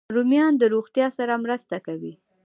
رومیان د روغتیا سره مرسته کوي